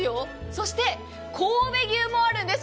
そして神戸牛もあるんです。